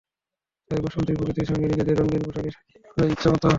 তাই বসন্তেই প্রকৃতির সঙ্গে নিজেদের রঙিন পোশাকে সাজিয়ে নেওয়া যায় ইচ্ছেমতো।